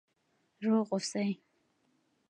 روغ اوسئ؟